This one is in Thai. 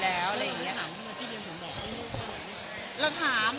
แล้วถามพี่เรียนสมบัติให้ลูกทำไม